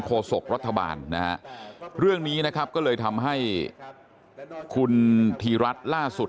โศกรัฐบาลนะฮะเรื่องนี้นะครับก็เลยทำให้คุณธีรัฐล่าสุด